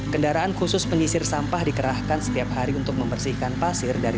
kendaraan khusus penyisir sampah dikerahkan setiap hari untuk membersihkan pasir dari